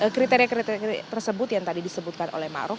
kriteria kriteria tersebut yang tadi disebutkan oleh maruf